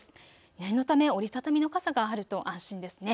念のため折り畳みの傘があると安心ですね。